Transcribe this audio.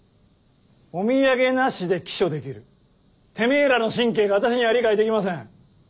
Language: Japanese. お土産なしで帰署できるてめぇらの神経が私には理解できません。